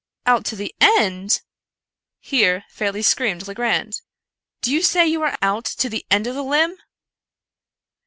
"Out to the end!" here fairly screamed Legrand; "do you say you are out to the end of that limb